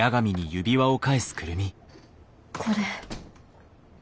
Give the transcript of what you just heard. これ。